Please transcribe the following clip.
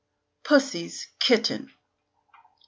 PUSSY'S KITTEN